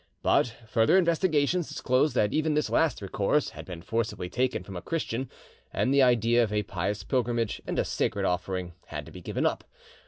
But further investigations disclosed that even this last resource had been forcibly taken from a Christian, and the idea of a pious pilgrimage and a sacred offering had to be given up.